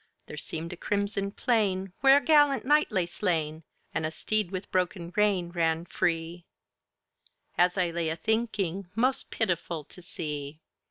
There seemed a crimson plain, Where a gallant Knyghte lay slayne, And a steed with broken rein Ran free, As I laye a thynkynge, most pitiful to see!